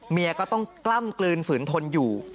เมียก็ต้องกล้ำกลืนฝืนทนอยู่